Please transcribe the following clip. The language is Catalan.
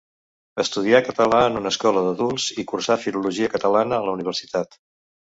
Estudià català en una escola d'adults i cursà Filologia Catalana a la universitat.